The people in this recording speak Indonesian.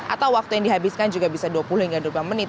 atau waktu yang dihabiskan juga bisa dua puluh hingga dua puluh lima menit